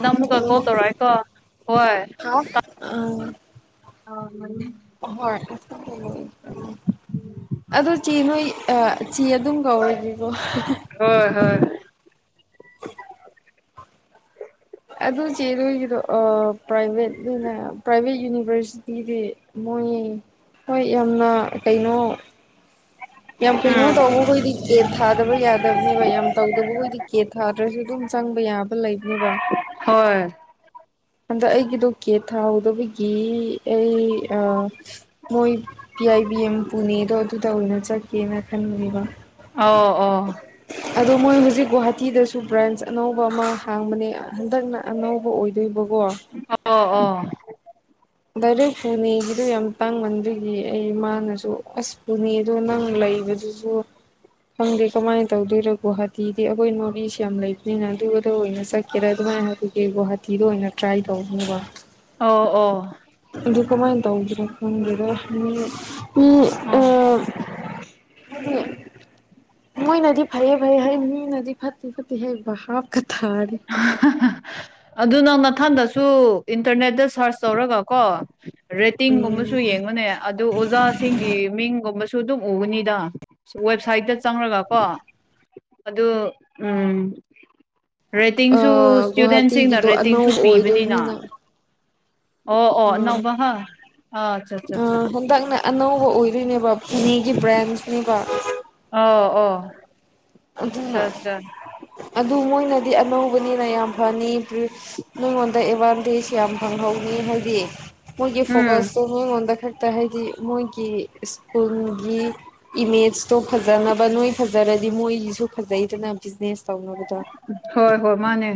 ꯅꯪ ꯑꯃꯨꯛꯀ call hello ꯇꯧꯔꯛꯑꯦꯀꯣ ꯍꯣꯏ ꯍꯥꯎ ꯑ ꯍꯣꯏ [unintelligible] ꯑꯗꯨ ꯆꯦ ꯅꯣꯏ ꯑ ꯆꯦ ꯑꯗꯨꯝ ꯀꯧꯔꯒꯦꯀꯣ ꯍꯣꯏ ꯍꯣꯏ ꯑꯗꯨ ꯆꯦ ꯅꯣꯏꯒꯤꯗꯣ ꯄ꯭ꯔꯥꯏꯚꯦꯠ ꯑꯣꯏꯅ ꯄ꯭ꯔꯥꯏꯚꯦꯠ ꯌꯨꯅꯤꯚꯔꯁꯤꯇꯤꯗꯤ ꯃꯣꯏ ꯍꯣꯏ ꯌꯥꯝꯅ ꯀꯩꯅꯣ ꯌꯥꯝ ꯀꯩꯅꯣ ꯎꯝ ꯇꯧꯕ ꯍꯣꯏꯗꯤ ꯀꯦꯠ ꯊꯥꯗꯕ ꯌꯥꯗꯕꯅꯦꯕ ꯌꯥꯝ ꯇꯧꯗꯕ ꯍꯣꯏꯗꯤ ꯀꯦꯠ ꯊꯥꯗ꯭ꯔꯁꯨ ꯑꯗꯨꯝ ꯆꯪꯕ ꯌꯥꯕ ꯂꯩꯕꯅꯦꯕ ꯍꯣꯏ ꯍꯟꯗꯛ ꯑꯩꯒꯤꯗꯣ ꯀꯦ ꯊꯥꯍꯧꯗꯕꯒꯤ ꯑꯩ ꯑ ꯃꯣꯏ ꯄꯤ ꯑꯥꯏ ꯕꯤ ꯑꯦꯝ ꯄꯨꯅꯦꯗꯣ ꯑꯗꯨꯗ ꯑꯣꯏꯅ ꯆꯠꯀꯦꯅ ꯈꯟꯕꯅꯦꯕ ꯑꯣ ꯑꯣ ꯑꯗꯣ ꯃꯣꯏ ꯍꯧꯖꯤꯛ ꯒꯨꯍꯥꯇꯤꯗꯁꯨ ꯕ꯭ꯔꯥꯟꯁ ꯑꯅꯧꯕ ꯑꯃ ꯍꯥꯡꯕꯅꯦ ꯍꯟꯗꯛꯅ ꯑꯅꯧꯕ ꯑꯣꯏ ꯑꯣꯏꯕꯒꯣ ꯑꯣ ꯑꯣ ꯗꯥꯏꯔꯦꯛ ꯄꯨꯅꯦꯒꯤꯗꯨ ꯌꯥꯝ ꯇꯥꯡꯃꯟꯕꯒꯤ ꯑꯩꯃꯥꯅꯁꯨ ꯑꯁ ꯄꯨꯅꯦꯗ ꯅꯪ ꯂꯩꯕꯗꯨꯁꯨ ꯑꯣ ꯈꯪꯗꯦ ꯀꯃꯥꯏꯅ ꯇꯧꯗꯣꯏꯔꯣ ꯒꯨꯍꯥꯇꯤꯗꯤ ꯑꯩꯈꯣꯏ ꯅꯣꯔꯤꯁ ꯌꯥꯝ ꯂꯩꯕꯅꯤꯅ ꯑꯗꯨꯗ ꯑꯣꯏꯅ ꯆꯠ ꯀꯦꯔ ꯑꯗꯨꯃꯥꯏꯅ ꯍꯥꯏꯕꯒꯤ ꯒꯨꯍꯥꯇꯤꯗꯣ ꯑꯣꯏꯅ ꯇ꯭ꯔꯥꯏ ꯇꯧꯗꯧꯕ ꯑꯣ ꯑꯣ ꯑꯗꯨ ꯀꯃꯥꯏꯟ ꯇꯧꯒꯦꯔꯥ ꯈꯟꯗꯦꯗꯥ ꯑꯝ ꯑꯗꯨ ꯃꯣꯏꯅꯗꯤ ꯐꯩꯌꯦ ꯐꯩ ꯍꯥꯏ ꯃꯤꯅꯗꯤ ꯐꯠꯇꯦ ꯐꯠꯇꯦ ꯍꯩ ꯚꯥꯞꯀꯥ ꯊꯥꯗꯦ ꯑꯗꯨ ꯅꯪ ꯅꯊꯟꯗꯁꯨ ꯏꯟꯇꯔꯅꯦꯠꯇ ꯁꯥꯔꯁ ꯇꯧꯔꯒꯀꯣ ꯎꯝ ꯔꯦꯇꯤꯡꯒꯨꯝꯕꯁꯨ ꯌꯦꯡꯉꯣꯅꯦ ꯑꯗꯨ ꯑꯣꯖꯥꯁꯤꯡꯒꯤ ꯃꯤꯡꯒꯨꯝꯕꯁꯨ ꯁꯨ ꯑꯗꯨꯝ ꯎꯕꯅꯤꯗ ꯋꯦꯕꯁꯥꯏꯠꯇ ꯆꯪꯔꯉꯒ ꯀꯣ ꯑꯗꯨ ꯎꯝ ꯔꯦꯠꯇꯤꯡꯁꯨ ꯏꯁꯇꯨꯗꯦꯟꯁꯤꯡꯅ ꯒꯨꯍꯥꯇꯤꯒꯤꯗꯣ ꯔꯦꯇꯤꯡꯁꯨ ꯑꯅꯧꯕ ꯄꯤꯕꯅꯤꯅ ꯑꯣꯏꯗꯣꯏꯅꯤꯅ ꯑꯣ ꯑꯣ ꯅꯧꯕꯥ ꯍꯥ ꯑꯥ ꯑꯆꯥ ꯑꯆꯥ ꯑꯆꯥ ꯑꯥ ꯍꯟꯗꯛꯅ ꯑꯅꯧꯕ ꯑꯣꯏꯗꯣꯏꯅꯦꯕ ꯄꯨꯅꯦꯒꯤ ꯕ꯭ꯔꯥꯟꯁꯅꯦꯕ ꯑꯣ ꯑꯣ ꯑꯆꯥ ꯑꯗꯨꯅ ꯑꯆꯥ ꯑꯗꯨ ꯃꯣꯏꯅꯗꯤ ꯑꯅꯧꯕꯅꯤꯅ ꯌꯥꯝ ꯐꯅꯤ ꯃꯤꯉꯣꯟꯗ ꯑꯦꯚꯥꯟꯇꯦꯖ ꯌꯥꯝ ꯐꯪꯍꯧꯅꯤ ꯍꯥꯏꯗꯤ ꯃꯣꯏꯒꯤ ꯎꯝ ꯐꯣꯀ꯭ꯁꯇꯣ ꯃꯉꯣꯟꯗ ꯈꯛꯇ ꯍꯥꯏꯗꯤ ꯃꯣꯏꯒꯤ ꯁ꯭ꯀꯨꯜꯒꯤ ꯏꯃꯦꯖꯇꯣ ꯐꯖꯟ ꯐꯖꯅꯕ ꯅꯣꯏ ꯐꯖꯔꯗꯤ ꯃꯣꯏꯒꯤꯁꯨ ꯐꯖꯩꯗꯅ ꯕꯤꯖꯤꯅꯦꯁ ꯇꯧꯅꯕꯗꯣ ꯍꯣꯏ ꯍꯣꯏ ꯃꯥꯅꯦ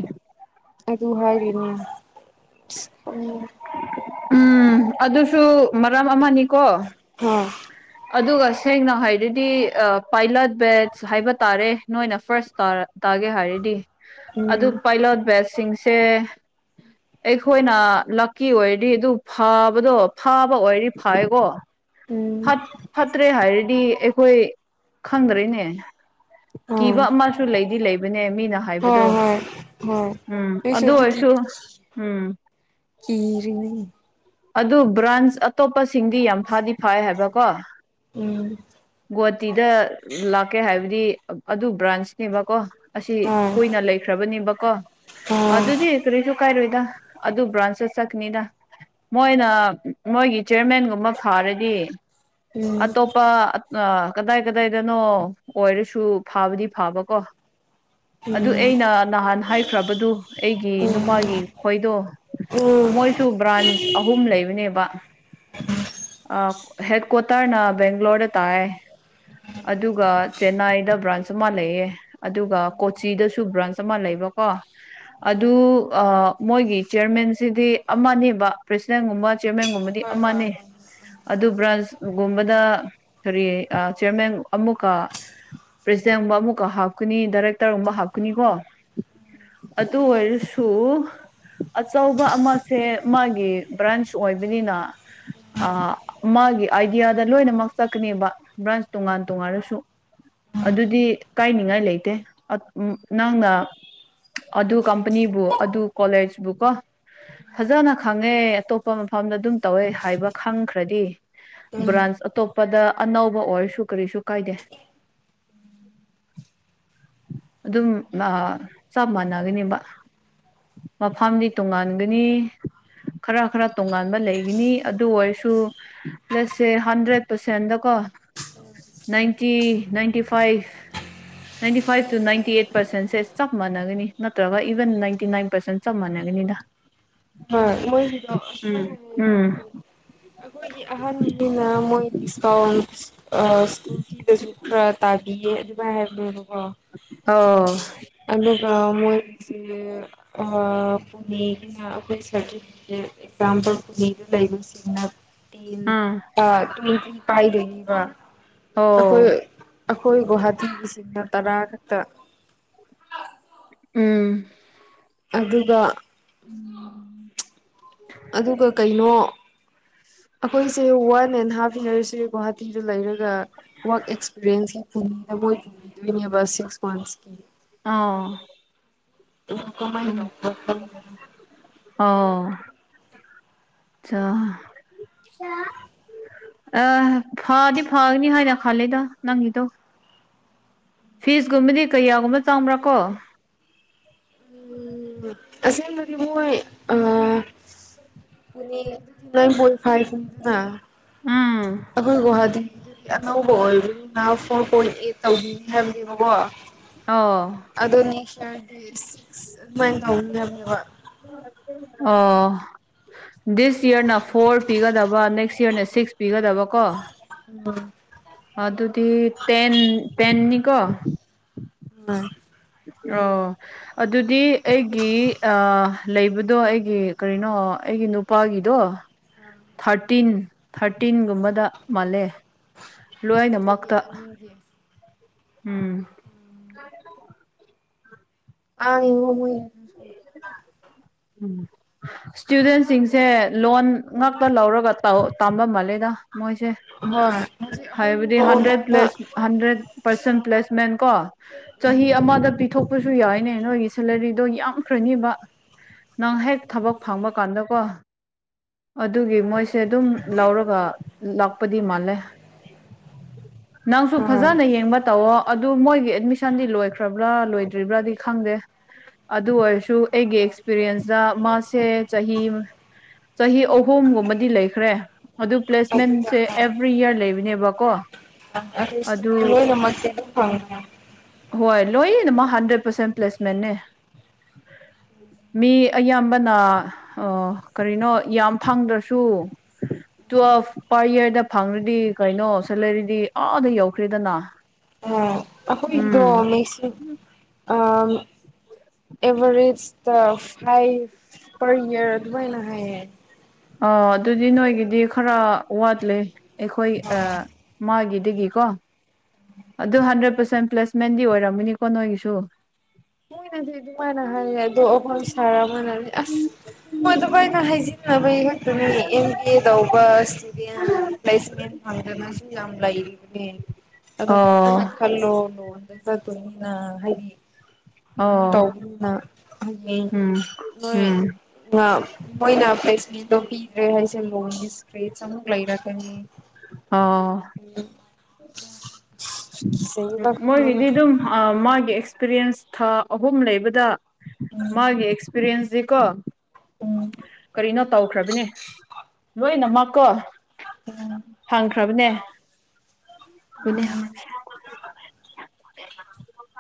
ꯑꯗꯨ ꯍꯥꯏꯔꯤꯅꯦ ꯁꯥꯁ ꯈꯪꯗꯦ ꯎꯝ ꯑꯗꯨꯁꯨ ꯃꯔꯝ ꯑꯃꯅꯤꯀꯣ ꯍꯣꯏ ꯑꯗꯨꯒ ꯁꯦꯡꯅ ꯍꯥꯏꯔꯗꯤ ꯄꯥꯏꯂꯠ ꯕꯦꯠꯁ ꯍꯥꯏꯕ ꯇꯥꯔꯦ ꯅꯣꯏꯅ ꯐꯥꯔꯁ ꯇꯥ ꯇꯥꯒꯦ ꯍꯥꯏꯔꯗꯤ ꯑꯗꯨ ꯎꯝ ꯄꯥꯏꯂꯣꯠ ꯕꯦꯠꯁꯤꯡꯁꯦ ꯑꯩꯈꯣꯏꯅ ꯂꯥꯛꯀꯤ ꯑꯣꯏꯔꯗꯤ ꯑꯗꯨ ꯐꯥꯕꯗꯣ ꯐꯥꯕ ꯑꯣꯏꯗꯤ ꯐꯥꯏꯀꯣ ꯎꯝ ꯐꯠꯇ꯭ꯔꯦ ꯍꯥꯏꯔꯗꯤ ꯑꯩꯈꯣꯏ ꯈꯪꯗ꯭ꯔꯦꯅꯦ ꯑꯥ ꯀꯤꯕ ꯑꯃꯁꯨ ꯂꯩꯗꯤ ꯂꯩꯕꯅꯦ ꯃꯤꯅ ꯍꯥꯏꯕꯗꯣ ꯍꯣꯏ ꯍꯣꯏ ꯍꯣꯏ ꯎꯝ ꯑꯩꯁꯨ ꯑꯗꯨ ꯑꯗꯨꯒꯤ ꯑꯣꯏꯔꯁꯨ ꯎꯝ ꯀꯤꯔꯤꯅꯤ ꯑꯗꯨ ꯕ꯭ꯔꯥꯟꯁ ꯑꯇꯣꯞꯄꯁꯤꯡꯗꯤ ꯌꯥꯝ ꯐꯥꯗꯤ ꯐꯥꯏ ꯍꯥꯏꯕꯀꯣ ꯎꯝ ꯒꯨꯍꯥꯇꯤꯗ ꯂꯥꯛꯀꯦ ꯍꯥꯏꯕꯗꯤ ꯑꯗꯨ ꯕ꯭ꯔꯥꯟꯁꯅꯦꯕꯀꯣ ꯑꯁꯤ ꯍꯣꯏ ꯀꯨꯏꯅ ꯂꯩꯈ꯭ꯔꯕꯅꯦꯕꯀꯣ ꯍꯣꯏ ꯑꯗꯨꯗꯤ ꯀꯔꯤꯁꯨ ꯀꯥꯏꯔꯣꯏꯗ ꯑꯗꯨ ꯕꯔꯥꯟꯁꯇ ꯆꯠꯀꯥꯅꯤꯗꯥ ꯃꯣꯏꯅ ꯃꯣꯏꯒꯤ ꯆꯤꯌꯔꯃꯦꯟꯒꯨꯝꯕ ꯐꯥꯔꯗꯤ ꯎꯝ ꯑꯇꯣꯞꯄ ꯑꯥ ꯀꯗꯥꯏ ꯀꯗꯥꯏꯗꯅꯣ ꯑꯣꯏꯔꯁꯨ ꯐꯥꯕꯗꯤ ꯐꯥꯕ ꯀꯣ ꯑꯗꯨ ꯎꯝ ꯑꯩꯅ ꯅꯍꯥꯟ ꯍꯥꯏꯈ꯭ꯔꯕꯗꯨ ꯑꯩꯒꯤ ꯎꯝ ꯅꯨꯄꯥꯒꯤ ꯈꯣꯏꯗꯣ ꯎꯝ ꯍꯣꯏ ꯃꯣꯏꯁꯨ ꯕ꯭ꯔꯥꯟꯁ ꯑꯍꯨꯝ ꯂꯩꯕꯅꯦꯕ ꯑꯥ ꯍꯦꯠ ꯀ꯭ꯋꯥꯇꯔꯅ ꯕꯦꯡꯒ꯭ꯂꯣꯔꯗ ꯇꯥꯏ ꯑꯗꯨꯒ ꯆꯦꯟꯅꯥꯏꯗ ꯕ꯭ꯔꯥꯟꯁ ꯑꯃ ꯂꯩꯌꯦ ꯑꯗꯨꯒ ꯀꯣꯆꯤꯗꯁꯨ ꯕ꯭ꯔꯥꯟꯁ ꯑꯃ ꯂꯩꯕꯀꯣ ꯑꯗꯨ ꯃꯣꯏꯒꯤ ꯆꯤꯌꯔꯃꯦꯟꯁꯤꯗꯤ ꯑꯃꯅꯦꯕ ꯄ꯭ꯔꯁꯤꯗꯦꯟꯒꯨꯝꯕ ꯆꯤꯌꯔꯃꯦꯟꯒꯨꯝꯕꯗꯤ ꯍꯣꯏ ꯍꯣꯏ ꯑꯃꯅꯦ ꯑꯗꯨ ꯕ꯭ꯔꯥꯟꯁꯒꯨꯝꯕꯗ ꯀꯔꯤ ꯆꯤꯌꯔꯃꯦꯟ ꯑꯃꯨꯛꯀꯥ ꯄ꯭ꯔꯦꯁꯤꯗꯦꯟꯒꯨꯝꯕ ꯑꯃꯨꯛꯀ ꯍꯥꯞꯀꯅꯤ ꯗꯥꯏꯔꯦꯛꯇꯔꯒꯨꯝꯕ ꯍꯥꯞꯀꯅꯤꯀꯣ ꯑꯗꯨ ꯑꯣꯏꯔꯁꯨ ꯑꯆꯧꯕ ꯑꯃꯁꯦ ꯃꯥꯒꯤ ꯕ꯭ꯔꯥꯟꯁ ꯑꯣꯏꯕꯅꯤꯅ ꯑ ꯃꯥꯒꯤ ꯑꯥꯏꯗꯤꯌꯥꯗ ꯂꯣꯏꯅꯃꯛ ꯆꯠꯀꯅꯦꯕ ꯕ꯭ꯔꯥꯟꯁ ꯇꯣꯉꯥꯟ ꯇꯣꯉꯥꯜꯂꯁꯨ ꯑꯗꯨꯗꯤ ꯀꯥꯏꯅꯤꯡꯉꯥꯏ ꯂꯩꯇꯦ ꯅꯪꯅ ꯑꯗꯨ ꯀꯝꯄꯅꯤꯕꯨ ꯑꯗꯨ ꯀꯣꯂꯦꯖꯕꯨ ꯀꯣ ꯐꯖꯅ ꯈꯪꯉꯦ ꯑꯇꯣꯞꯄ ꯃꯐꯝꯗ ꯑꯗꯨꯝ ꯇꯧꯋꯦ ꯍꯥꯏꯕ ꯈꯪꯈ꯭ꯔꯗꯤ ꯎꯝ ꯕ꯭ꯔꯥꯟꯁ ꯑꯇꯣꯞ ꯄꯗ ꯑꯅꯧꯕ ꯑꯣꯏꯔꯁꯨ ꯀꯔꯤꯁꯨ ꯀꯥꯏꯗꯦ ꯑꯗꯨꯝ ꯆꯞ ꯃꯥꯟꯅꯒꯅꯦꯕ ꯃꯐꯝꯗꯤ ꯇꯣꯡꯉꯥꯟꯒꯅꯤ ꯈꯔ ꯈꯔ ꯇꯣꯉꯥꯟꯕ ꯂꯩꯒꯅꯤ ꯑꯗꯨ ꯑꯣꯏꯁꯨ ꯄ꯭ꯂꯁꯁꯦ ꯍꯟꯗ꯭ꯔꯦꯠ ꯄꯥ꯭ꯔꯁꯦꯟꯗꯀꯣ ninety ninety five ninety five two ninety eight ꯄꯥ꯭ꯔꯁꯦꯟꯁꯦ ꯆꯞ ꯃꯥꯟꯅꯒꯅꯤ ꯅꯠꯇ꯭ꯔꯥꯒ ꯏꯚꯟ ꯅꯥꯏꯟꯇꯤ ꯅꯥꯏꯟ ꯄꯥ꯭ꯔꯁꯦꯟ ꯆꯝ ꯃꯥꯟꯅꯒꯅꯤꯗ ꯍ‌ꯣꯏ ꯃ‌ꯣꯏꯒꯤꯗ‌ꯣ ꯑꯁ ꯑꯩ ꯎꯝ ꯃꯨꯟ ꯎꯝ ꯌ‌ꯦꯡꯉꯛꯇ‌ꯦ ꯑꯩꯈꯣꯏꯒꯤ ꯑꯍꯥꯟꯅꯤꯅ ꯃꯣꯏ ꯗꯤꯁꯀꯥꯎꯟ ꯁꯤꯗꯁꯨ ꯈꯔ ꯇꯥꯕꯤꯌꯦ ꯑꯗꯨꯃꯥꯏ ꯍꯥꯏꯕꯅ‌ꯦꯕꯀꯣ ꯑꯣ ꯑꯗꯨꯒ ꯃꯣꯏꯒꯤꯁꯦ ꯑꯥ ꯄꯨꯅꯦꯒꯤꯅ ꯃ‌ꯣꯏ ꯁꯥꯔꯇꯤꯐꯤꯀ‌ꯦꯠ ꯑꯦꯛꯖꯥꯝꯄꯜ ꯄꯨꯅ‌ꯦꯗ ꯂꯩꯕ ꯁꯤꯡꯅ ꯇꯤꯟ ꯑ ꯑꯥ ꯇ꯭ꯋ‌ꯦꯟꯇꯤ ꯄꯥꯏꯗꯣꯏꯅꯤꯕ ꯑꯩꯈꯣꯏ ꯑꯣ ꯑꯩꯈꯣꯏ ꯒꯨꯍꯥꯇꯤꯒꯤꯁꯤꯅ ꯇꯔꯥ ꯈꯛꯇ ꯎꯝ ꯑꯗꯨꯒ ꯑꯗꯨꯒ ꯀꯩꯅꯣ ꯑꯩꯈꯣꯏꯁꯨ ꯋꯥꯟ ꯑꯦꯟ ꯍꯥꯐ ꯑꯦꯟ ꯑꯥ꯭ꯔꯁꯤ ꯒꯨꯍꯥꯇꯤꯗ ꯂꯩꯔꯒ ꯋꯥꯛ ꯑꯦꯛꯁꯄꯤꯔꯤꯌꯦꯟꯁ ꯌꯥꯝ ꯄꯨꯡꯗ ꯃꯣꯏ ꯄꯨꯕꯤꯗꯣꯏꯅꯦꯕ ꯁꯤꯛꯁ ꯃꯟꯁꯀꯤ ꯑꯥ ꯎꯝ ꯀꯃꯥꯏ ꯇꯩꯕ꯭ꯔꯥ ꯈꯪ ꯑꯥ ꯆꯥ ꯑ ꯐꯥꯗꯤ ꯐꯥꯒꯅꯤ ꯍꯥꯏꯅ ꯈꯜꯂꯤꯗ ꯅꯪꯒꯤꯗꯣ ꯐꯤꯁꯀꯨꯝꯕꯗꯤ ꯀꯌꯥꯒꯨꯝꯕ ꯆꯪꯕ꯭ꯔꯥꯀꯣ ꯎꯝ ꯑꯁꯦꯡꯕꯗꯤ ꯃꯣꯏ ꯑ ꯄꯨꯅ‌ꯦ ꯋꯥꯟ ꯄ‌ꯣꯏꯟ ꯐꯥꯏꯚꯅ‌ꯦꯕ ꯎꯝ ꯑꯩꯈꯣꯏ ꯒꯨꯋꯥꯍꯥꯇꯤ ꯑꯅꯧꯕ ꯑꯣꯏꯕꯅꯤꯅ ꯐꯣꯔ ꯄꯣꯏꯟ ꯑꯦꯠ ꯇꯧꯕꯤꯅꯤ ꯍꯥꯏꯕꯅꯦꯕꯀꯣ ꯑꯣ ꯑꯗꯨꯅꯤ ꯁꯥ꯭ꯔ ꯇ‌ꯦꯁ ꯑꯗꯨꯃꯥꯏ ꯇꯧꯅꯤ ꯍꯥꯏꯕꯅ‌ꯦꯕ ꯑꯣ ꯗꯤꯁ ꯏꯌꯥ꯭ꯔꯅ ꯐꯣꯔ ꯄꯤꯒꯗꯕ ꯅꯦꯛꯁ ꯏꯌꯥ꯭ꯔꯅ ꯁꯤꯛꯁ ꯄꯤꯒꯗꯕ ꯀꯣ ꯎꯝ ꯑꯗꯨꯗꯤ ꯇ‌ꯦꯟ ꯇ‌ꯦꯟꯅꯤꯀꯣ [unintelligible] ꯑꯣ ꯑꯗꯨꯗꯤ ꯑꯩꯒꯤ ꯂꯩꯕꯗꯣ ꯑꯩꯒꯤ ꯀꯔꯤꯅꯣ ꯑꯩꯒꯤ ꯅꯨꯄꯥꯒꯤꯗꯣ ꯊꯥ꯭ꯔꯇꯤꯟ ꯊꯥ꯭ꯔꯇꯤꯟꯒꯨꯝꯕꯗ ꯃꯥꯜꯂꯦ ꯆꯍꯤ ꯂꯣꯏꯅꯃꯛꯇ ꯑꯅꯤꯒꯤ ꯎꯝ ꯑꯥꯡ [unintelligible] ꯎꯝ ꯏꯁꯇꯨꯗꯦꯟꯁꯤꯡꯁꯦ ꯂꯣꯟ ꯉꯥꯛꯇ ꯂꯧꯔꯒ ꯇꯥꯝꯕ ꯃꯥꯜꯂꯦꯗ ꯃꯣꯏꯁꯦ ꯍꯣꯏ ꯍꯧꯖꯤꯛ ꯑꯩꯈꯣꯏꯒꯤ ꯍꯥꯏꯕꯗꯤ ꯂꯣꯟ ꯍꯟꯗ꯭ꯔꯦꯠ ꯑꯣꯏꯅ ꯄ꯭ꯂꯦꯁ ꯍꯟꯗ꯭ꯔꯦꯠ ꯄꯥꯔꯁꯦꯟ ꯄ꯭ꯂꯦꯁꯃꯦꯟ ꯀꯣ ꯆꯍꯤ ꯑꯃꯗ ꯄꯤꯊꯣꯛꯄꯁꯨ ꯌꯥꯏꯅꯦ ꯅꯣꯏꯒꯤ ꯁꯦꯂꯔꯤꯗꯣ ꯌꯥꯝꯈ꯭ꯔꯅꯤꯕ ꯅꯪ ꯍꯦꯛ ꯊꯕꯛ ꯐꯪꯕ ꯀꯥꯟꯗꯀꯣ ꯑꯗꯨꯒꯤ ꯃꯣꯏꯁꯦ ꯑꯗꯨꯝ ꯂꯧꯔꯒ ꯂꯥꯛꯄꯗꯤ ꯃꯥꯜꯂꯦ ꯅꯪꯁꯨ ꯎꯝ ꯐꯖꯅ ꯌꯦꯡꯕ ꯇꯧꯋꯣ ꯑꯗꯨ ꯃꯣꯏꯒꯤ ꯑꯦꯠꯃꯤꯁꯟꯗꯤ ꯂꯣꯏꯈ꯭ꯔꯕ꯭ꯔꯥ ꯂꯣꯏꯗ꯭ꯔꯤꯕ꯭ꯔꯥꯗꯤ ꯈꯪꯗꯦ ꯑꯗꯨ ꯑꯣꯏꯔꯁꯨ ꯑꯩꯒꯤ ꯑꯦꯛꯁꯄꯤꯔꯤꯌꯦꯟꯁꯇ ꯃꯥꯁꯦ ꯆꯍꯤ ꯆꯍꯤ ꯑꯍꯨꯝꯒꯨꯝꯕꯗꯤ ꯂꯩꯈ꯭ꯔꯦ ꯑꯗꯨ ꯑꯗꯨꯗ ꯄ꯭ꯂꯦꯁꯃꯦꯟꯁꯦ ꯑꯦꯕ꯭ꯔꯤ ꯏꯔ ꯂꯩꯕꯅꯦꯕꯀꯣ ꯁ ꯑꯗꯨ ꯑꯣꯏ ꯃ ꯐꯥꯎ ꯍꯣꯏ ꯂꯣꯏꯌꯦꯅ ꯃꯥ ꯍꯟꯗ꯭ꯔꯦꯠ ꯄꯥꯔꯁꯦꯟ ꯄ꯭ꯂꯦꯁꯃꯦꯦꯟꯦ ꯃꯤ ꯑꯌꯥꯝꯕꯅ ꯀꯔꯤꯅꯣ ꯌꯥꯝ ꯐꯪꯗ꯭ꯔꯁꯨ ꯇꯨꯋꯦꯜꯐ ꯄꯔ ꯏꯌꯥꯔꯗ ꯐꯪꯈ꯭ꯔꯗꯤ ꯀꯩꯅꯣ ꯁꯦꯂꯔꯤꯗꯤ ꯑꯥꯗ ꯌꯧꯈ꯭ꯔꯦꯗꯅ ꯑ ꯑꯩꯈꯣꯏꯗꯣ ꯎꯝ ꯃ ꯑ [inaudible] ꯑꯦꯚꯔꯦꯖꯇ ꯐꯥꯏꯚ ꯄꯔ ꯌꯔ ꯑꯗꯨꯃꯥꯏꯅ ꯍꯥꯏꯌꯦ ꯑ ꯑꯗꯨꯗꯤ ꯅꯣꯏꯒꯤꯗꯤ ꯈꯔ ꯋꯥꯠꯂꯦ ꯑꯩꯈꯣꯏ ꯑꯣ ꯃꯥꯒꯤꯗꯒꯤꯀꯣ ꯑꯗꯨ ꯍꯟꯗ꯭ꯔꯦꯠ ꯄꯔꯁꯦꯟ ꯄ꯭ꯂꯦꯁꯃꯦꯟꯗꯤ ꯑꯣꯏꯔꯝꯃꯅꯤꯀꯣ ꯅꯣꯏꯒꯤꯁꯨ ꯃꯣꯏꯅꯗꯤ ꯑꯗꯨꯃꯥꯏꯅ ꯍꯥꯏꯌꯦ ꯑꯗꯣ ꯑꯩꯈꯣꯏ ꯁꯥꯔ ꯑꯃꯅꯗꯤ ꯑꯁ ꯃꯣꯏ ꯑꯗꯨꯕꯥꯏꯗ ꯍꯥꯏꯖꯤꯟꯅꯕꯒꯤ ꯈꯛꯇꯨꯅꯤ ꯑꯦꯝ ꯕꯤ ꯑꯦ ꯇꯧꯕ ꯏꯁꯇꯨꯗꯦꯟ ꯄ꯭ꯂꯦꯁꯦꯟ ꯐꯪꯅꯁꯨꯨꯝ ꯌꯥꯝ ꯂꯩꯅꯦ ꯑꯣ ꯐꯅ ꯈꯜꯂꯣ ꯂꯣꯗ ꯆꯠꯇꯣꯏꯅꯤꯅ ꯍꯥꯏꯗꯤ ꯏꯩꯅ ꯑꯣ ꯇꯧꯕꯅꯤꯅ ꯍꯥꯏꯌꯦ ꯎꯝ ꯅꯣꯏ ꯎꯝ ꯃꯣꯏꯅ ꯐ꯭ꯔꯦꯁꯃꯦꯟꯗꯣ ꯄꯤꯗ꯭ꯔꯦ ꯍꯥꯏꯁꯦ ꯂꯣꯟꯒꯤ ꯏꯁꯇ꯭ꯔꯦꯁ ꯑꯃꯨꯛ ꯂꯩꯔꯛꯀꯅꯤ ꯑꯣ ꯎꯝ ꯁꯕ ꯀ ꯍꯅ ꯃꯣꯏꯒꯤꯗꯤ [unintelligible] [inaudible] ꯑꯗꯨꯝ ꯃꯥꯒꯤ ꯑꯦꯛꯁꯄꯤꯔꯤꯌꯦꯟꯁ ꯊꯥ ꯑꯍꯨꯝ ꯂꯩꯕꯗ ꯎꯝ ꯃꯥꯒꯤ ꯑꯦꯛꯁꯄꯤꯔꯤꯌꯦꯟꯁꯁꯤꯀꯣ ꯎꯝ ꯀꯔꯤꯅꯣ ꯇꯧꯈ꯭ꯔꯕꯅꯦ ꯂꯣꯏꯅꯃꯛꯀꯣ [unintelligible] ꯐꯪꯈ꯭ꯔꯕꯅꯦꯅꯦ [unintelligible] [inaudible]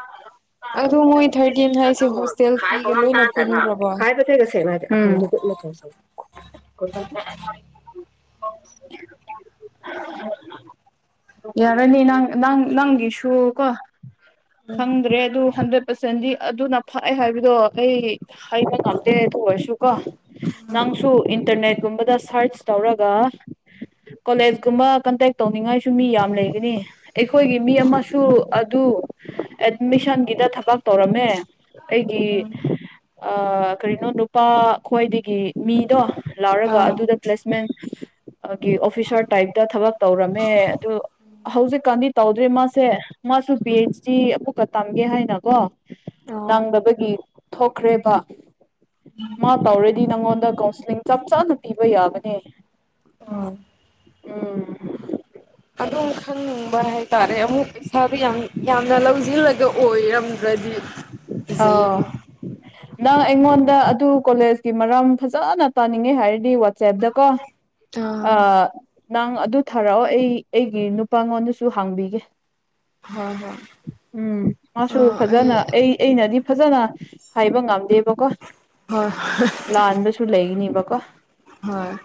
ꯑꯗꯨꯗ ꯃꯣꯏ ꯊꯥꯔꯇꯤꯟ ꯍꯥꯏꯁꯦ ꯍꯣꯁꯇꯦꯜ ꯐꯤꯒ ꯂꯣꯏꯅ ꯄꯨꯅꯗ꯭ꯔꯕꯣ [unintelligible] [unintelligible] ꯌꯥꯔꯅꯤ ꯅꯪ ꯅꯪ ꯅꯪꯒꯤꯁꯨ ꯀꯣ ꯎꯝ ꯈꯪꯗ꯭ꯔꯦ ꯑꯗꯨ ꯍꯟꯗꯛ ꯄꯁꯦꯟꯗꯤ ꯑꯗꯨꯅ ꯐꯑꯦ ꯍꯥꯏꯕꯗꯣ ꯑꯩ ꯍꯕ ꯉꯝꯗꯦ ꯑꯗꯨ ꯑꯣꯏꯔꯁꯨ ꯀꯣ ꯅꯪꯁꯨ ꯏꯟꯇꯔꯅꯦꯠꯀꯨꯝꯕꯗ ꯁꯔꯆ ꯇꯧꯔꯒ ꯀꯣꯂꯦꯖꯀꯨꯝꯕ ꯀꯟꯇꯦꯛ ꯇꯧꯅꯤꯡꯉꯥꯏꯁꯨ ꯃꯤ ꯌꯥꯝ ꯂꯩꯒꯅꯤ ꯑꯩꯈꯣꯏꯒꯤ ꯃꯤ ꯑꯃꯁꯨ ꯑꯗꯨ ꯑꯦꯠꯃꯤꯁꯟꯒꯤꯗ ꯊꯕꯛ ꯇꯧꯔꯝꯃꯦ ꯑꯩꯒꯤ ꯀꯔꯤꯅꯣ ꯅꯨꯄꯥ ꯈ꯭ꯋꯥꯏꯗꯒꯤ ꯃꯤꯗꯣ ꯂꯥꯎꯔꯒ ꯑꯥ ꯑꯗꯨꯗ ꯄ꯭ꯂꯦꯁꯃꯦꯟ ꯒꯤ ꯑꯣꯐꯤꯁꯥꯔ ꯇꯥꯏꯞꯇ ꯊꯕꯛ ꯇꯧꯔꯝꯃꯦ ꯑꯗꯨ ꯍꯧꯖꯤꯛꯀꯥꯟꯗꯤ ꯇꯧꯗ꯭ꯔꯦ ꯃꯥꯁꯦ ꯃꯥꯁꯨ ꯄꯤ ꯑꯩꯩꯆ ꯗꯤ ꯑꯃꯀꯛꯀ ꯇꯝꯒꯦ ꯍꯥꯏꯅꯀꯣ ꯑꯣ ꯅꯪꯕꯒꯤ ꯊꯣꯛꯈ꯭ꯔꯦꯕ ꯃꯥ ꯇꯧꯔꯗꯤ ꯅꯪꯉꯣꯟꯗ ꯀꯥꯎꯟꯁꯤꯂꯤꯡ ꯆꯞ ꯆꯥꯅ ꯄꯤꯕ ꯌꯥꯕꯅꯦ ꯑꯣ [unintelligible] [inaudible] ꯑꯗꯨꯝ ꯈꯟꯅꯤꯡꯕ ꯍꯥꯏꯇꯥꯔꯦ ꯑꯃꯨꯛ ꯁꯥꯕꯨ ꯌꯥꯝ ꯌꯥꯝꯅ ꯂꯧꯁꯤꯜꯂꯒ ꯑꯣꯏꯔꯝꯗ꯭ꯔꯗꯤ ꯑꯎ ꯎꯝ [inaudible] ꯅꯪ ꯑꯩꯉꯣꯟꯗ ꯑꯗꯨ ꯀꯣꯂꯦꯖꯀꯤ ꯃꯔꯝ ꯐꯖꯅ ꯇꯥꯅꯤꯡꯉꯦ ꯍꯥꯏꯔꯗꯤ ꯋꯥꯆꯦꯞꯇ ꯀꯣ ꯑꯥ ꯅꯪꯑꯗꯨ ꯊꯥꯔꯛꯑꯣ ꯑꯩ ꯑꯩꯒꯤ ꯅꯨꯄꯥꯉꯣꯟꯗꯁꯨ ꯍꯥꯡꯕꯤꯒꯦ꯫ ꯍꯣꯏ ꯍꯣꯏ ꯎꯝ ꯃꯥꯁꯨ ꯐꯖꯅ ꯑꯩ ꯑꯩꯅꯗꯤ ꯐꯖꯅ ꯍꯥꯏꯕ ꯉꯝꯗꯦꯕꯀꯣ ꯍꯣꯏ ꯂꯥꯟꯕꯁꯨ ꯂꯩꯅꯤꯕꯀꯣ ꯍꯣꯏ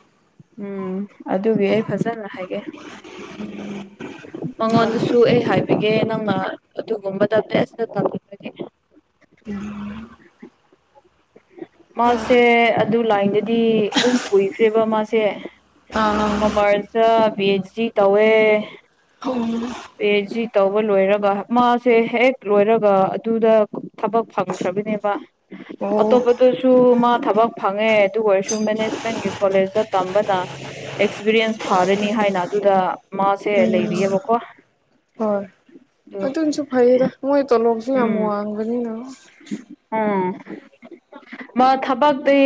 ꯎꯝ ꯑꯗꯨꯒꯤ ꯑꯩ ꯐꯖꯅ ꯍꯥꯏꯒꯦ ꯎꯝ [inaudible] ꯃꯉꯣꯟꯗꯁꯨ ꯑꯩ ꯍꯥꯏꯕꯤꯒꯦ ꯅꯪꯅ ꯑꯗꯨꯒꯨꯝꯕ ꯕꯦꯁꯠꯇ ꯇꯝꯅꯤꯡꯉꯗꯤ ꯍꯣꯏ ꯃꯥꯁꯦ ꯑꯗꯨ ꯂꯥꯏꯟꯗꯗꯤ ꯑꯗꯨꯝ ꯀꯨꯏꯈ꯭ꯔꯦꯕ ꯃꯥꯁꯦ ꯑꯥ ꯀꯣꯃꯔꯁꯇ ꯕꯤ ꯑꯩꯆ ꯇꯧꯋꯦ ꯍꯧꯔꯣ ꯄꯤ ꯑꯩꯆ ꯖꯤ ꯇꯧꯕ ꯂꯣꯏꯔꯒ ꯃꯥꯁꯦ ꯍꯦꯛ ꯂꯣꯏꯔꯒ ꯑꯗꯨꯗ ꯊꯕꯛ ꯐꯪꯈ꯭ꯔꯕꯅꯦꯕ ꯑꯣ ꯑꯇꯣꯞꯄꯗꯨꯁꯨ ꯃꯥ ꯊꯕꯛ ꯐꯪꯉꯦ ꯑꯗꯨ ꯑꯣꯏꯔꯁꯨ ꯃꯦꯅꯦꯖꯃꯦꯟꯒꯤ ꯀꯣꯂꯦꯖꯇ ꯇꯝꯕꯅ ꯑꯦꯛꯁꯄꯤꯔꯤꯌꯦꯟꯁ ꯐꯥꯔꯅꯤ ꯍꯥꯏꯅ ꯑꯗꯨꯗ ꯃꯥꯁꯦ ꯎꯝ ꯂꯩꯔꯤꯑꯕꯀꯣ ꯍꯣꯏ ꯑꯗꯨ ꯑꯗꯨꯅꯁꯨ ꯐꯩꯌꯦꯗ ꯃꯣꯏ ꯇꯣꯂꯣꯞꯁꯨ ꯌꯥꯝ ꯋꯥꯡꯕꯅꯤꯅ ꯎꯃ ꯃꯥ ꯊꯕꯛꯇꯤ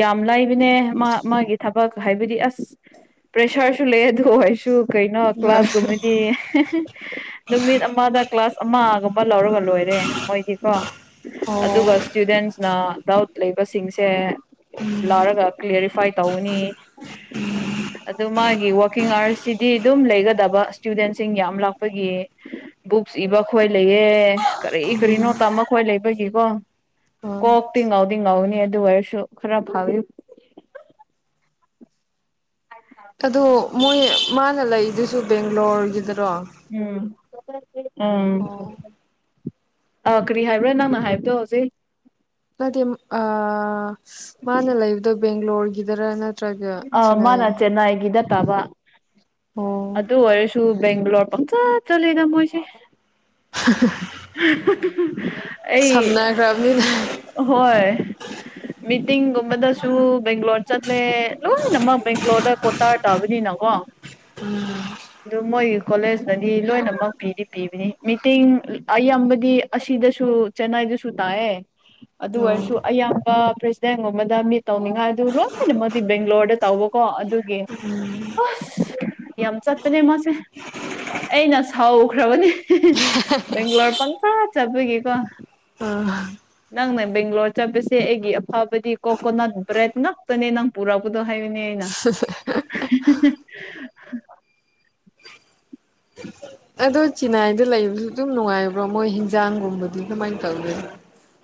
ꯌꯥꯝ ꯂꯩꯕꯅꯦ ꯃꯥ ꯃꯥꯒꯤ ꯊꯕꯛ ꯍꯥꯏꯕꯗꯤ ꯑꯁ ꯄ꯭ꯔꯦꯁꯥꯔꯁꯨ ꯂꯩ ꯑꯗꯨ ꯑꯣꯏꯁꯨ ꯀꯩꯅꯣ ꯍꯣꯏ ꯀ꯭ꯂꯥꯁꯀꯨꯝꯕꯗꯤ ꯍꯦꯍꯦ ꯅꯨꯃꯤꯠ ꯑꯃꯗ ꯀ꯭ꯂꯥꯁ ꯑꯃꯒꯨꯝꯕ ꯂꯧꯔꯒ ꯂꯣꯏꯔꯦ ꯃꯣꯏꯗꯤꯀꯣ ꯑꯣ ꯑꯗꯨꯒ ꯏꯁꯇꯨꯗꯦꯟꯁꯅ ꯗꯥꯎꯠ ꯂꯩꯕꯁꯤꯡꯁꯦ꯫ ꯂꯥꯔꯒ ꯀ꯭ꯦꯔꯤꯐꯥꯏ ꯇꯧꯒꯅꯤ ꯎꯝ [inaudible] ꯑꯗꯨ ꯃꯥꯒꯤ ꯀꯤꯡ ꯑꯥꯋꯔꯁꯁꯤꯗꯤ ꯑꯗꯨꯝ ꯂꯩꯒꯗꯕ ꯏꯁꯇꯨꯗꯦꯟꯁꯤꯡ ꯌꯥꯝ ꯂꯥꯛꯄꯒꯤ ꯕꯨꯛꯁ ꯏꯕ ꯈꯣꯏ ꯂꯩꯌꯦ ꯀꯔꯤ ꯀꯔꯤꯅꯣ ꯇꯥꯃ ꯑꯩꯈꯣꯏ ꯂꯩꯕꯒꯤꯀꯣ ꯍꯣꯏ ꯀꯣꯛꯇꯤ ꯉꯥꯎꯗꯤ ꯉꯥꯎꯅꯤ ꯑꯗꯨ ꯑꯣꯏꯔꯁꯨ ꯈꯔ ꯐꯥꯒꯅꯤ ꯑꯗꯣ ꯃꯣꯏ ꯃꯥꯅ ꯂꯩꯗꯨꯁꯨ ꯕꯦꯡꯒ꯭ꯂꯣꯔꯒꯤꯗꯔꯣ ꯎꯝ ꯎꯝ ꯑꯣ ꯑꯥ ꯀꯔꯤ ꯍꯥꯏꯕ꯭ꯔꯥ ꯅꯪꯅ ꯍꯥꯏꯕꯗꯣ ꯍꯧꯖꯤꯛ ꯅꯇꯦ ꯑ ꯃꯥꯅ ꯂꯩꯕꯗ ꯕꯦꯡꯒ꯭ꯂꯣꯔꯒꯤꯗꯔ ꯅꯠꯇ꯭ꯔꯒ ꯑ ꯃꯥꯅ ꯆꯤꯅꯥꯒꯤ ꯆꯦꯟꯅꯥꯏꯒꯤꯗ ꯇꯥꯕ ꯑꯣ ꯑꯗꯨ ꯑꯣꯏꯔꯁꯨ ꯕꯦꯡꯒꯂꯣꯔ ꯄꯪ ꯆꯂꯦ ꯃꯣꯏꯁꯦ [inaudible] ꯍꯨꯝ ꯍꯨꯝ ꯁꯝꯅꯈ꯭ꯔꯕꯅꯤꯅ ꯑꯩ ꯍꯣꯏ ꯃꯤꯇꯤꯡꯒꯨꯝꯕꯗꯁꯨ ꯕꯦꯡꯒ꯭ꯂꯣꯔ ꯆꯠꯂꯦ ꯂꯣꯏꯅꯃꯛ ꯕꯦꯡꯒ꯭ꯂꯣꯔꯗ ꯀꯣꯇꯥꯔ ꯇꯥꯕꯅꯤꯅꯀꯣ ꯑꯥ ꯑꯗꯨ ꯃꯣꯏꯒꯤ ꯀꯣꯂꯦꯖꯇꯗꯤ ꯂꯣꯏꯅꯃꯛ ꯄꯤꯗꯤ ꯄꯤꯕꯅꯤ ꯃꯤꯇꯤꯡ ꯑꯌꯥꯝꯕꯗꯤ ꯑꯁꯤꯗꯁꯨ ꯆꯦꯅꯥꯏ ꯗꯥꯁꯨ ꯇꯥꯏꯑꯦ [unintelligible] [inaudible] ꯑꯗꯨ ꯑꯣꯏꯔꯁꯨ ꯑꯌꯥꯝꯕ ꯄ꯭ꯔꯦꯁꯤꯗꯦꯟꯒꯨꯝꯕꯗ ꯃꯤꯠ ꯇꯧꯅꯤꯡꯉꯥꯏ ꯑꯗꯨ ꯂꯣꯏꯅꯃꯛꯗꯤ ꯕꯦꯡꯒ꯭ꯂꯣꯔꯗ ꯇꯧꯕꯀꯣ ꯑꯗꯨꯒꯤ ꯑꯁ ꯌꯥꯝ ꯆꯠꯄꯅꯦ ꯃꯥꯁꯦ꯫ ꯑꯩꯅ ꯁꯥꯎꯈ꯭ꯔꯕꯅꯦ ꯭ꯕꯥꯡꯂꯣꯔ ꯄꯡꯆꯠꯄꯒꯤꯀꯣ ꯑꯥ ꯅꯪꯅ ꯕꯦꯡꯒ꯭ꯂꯣꯔ ꯆꯠꯄꯁꯦ ꯑꯩꯒꯤ ꯑꯐꯕꯗꯤ ꯀꯣꯀꯣꯅꯠ ꯕ꯭ꯔꯦꯗ ꯉꯥꯛꯇꯅꯦ ꯅꯪ ꯄꯨꯔꯛꯄꯗ‌ꯣ ꯍꯥꯏꯕꯅ‌ꯦ ꯑꯩꯅ ꯁꯦꯁ‌ꯦ [unintelligible] ꯑꯗꯣ ꯆꯤꯅꯥꯏꯗ ꯂꯩꯕꯁꯨ ꯑꯗꯨꯝ ꯅꯨꯡꯉꯥꯏꯕ꯭ꯔꯣ ꯃꯣꯏ ꯍꯤꯟꯖꯥꯡꯒꯨꯝꯕꯗꯤ ꯀꯃꯥꯏꯅ ꯇꯧꯒꯦ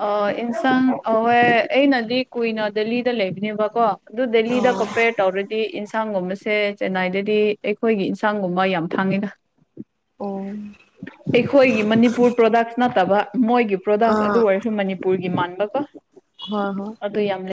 ꯑ ꯏꯟꯁꯥꯡ ꯑꯥꯎꯋ‌ꯦ ꯑꯩꯅꯗꯤ ꯀꯨꯏꯅ ꯗꯦꯜꯂꯤꯗ ꯂꯩꯕꯅꯦꯕꯀꯣ ꯑꯗꯨ ꯗꯦꯜꯂꯤꯗ ꯑꯣ ꯀꯝꯄꯦꯌꯔ ꯇꯧꯔꯗꯤ ꯏꯟꯁꯥꯡꯒꯨꯝꯕꯁꯦ ꯆꯦꯟꯅꯥꯏꯗꯗꯤ ꯑꯩꯈꯣꯏꯒꯤ ꯏꯟꯁꯥꯡꯒꯨꯝꯕ ꯌꯥꯝ ꯐꯥꯡꯉꯤꯗ [inaudible] ꯑꯩꯈꯣꯏꯒꯤ ꯃꯅꯤꯄꯨꯔ ꯄ꯭ꯔꯗꯛꯁ ꯅꯠꯇꯕ ꯃꯣꯏꯒꯤ ꯄ꯭ꯔꯣꯗꯛꯁ ꯑꯗꯨ ꯑꯥ ꯑꯣꯏꯔꯁꯨ ꯃꯅꯤꯄꯨꯔꯒꯤ ꯃꯥꯟꯕꯀꯣ ꯍꯣꯏ ꯍꯣꯏ ꯑꯗꯨ ꯌꯥꯝ